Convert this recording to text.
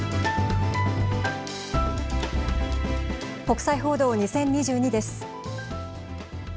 国際報道２０２２です。